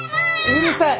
うるさい！